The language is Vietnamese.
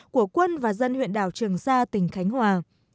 của quân và dân huyện đảo trường sa tỉnh khánh hòa